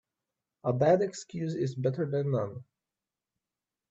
A bad excuse is better then none.